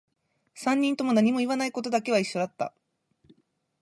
三人とも何も言わないことだけは一緒だった